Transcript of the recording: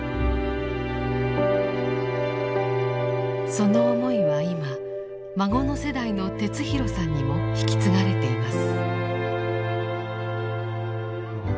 その思いは今孫の世代の哲弘さんにも引き継がれています。